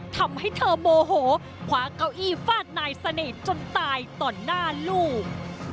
ทำให้เธอโมโหคว้าเก้าอี้ฟาดนายเสน่ห์จนตายต่อหน้าลูก